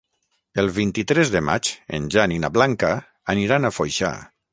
El vint-i-tres de maig en Jan i na Blanca aniran a Foixà.